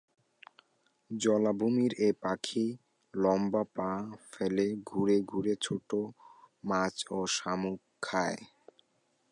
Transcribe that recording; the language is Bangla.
জলাভূমির এ পাখি লম্বা পা ফেলে ঘুরে ঘুরে ছোট মাছ ও শামুক খায়।